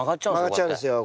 曲がっちゃうんですよ